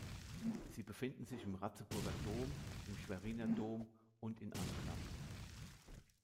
Sie befinden sich im Ratzeburger Dom, im Schweriner Dom und in Anklam.